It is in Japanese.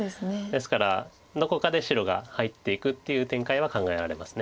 ですからどこかで白が入っていくっていう展開は考えられます。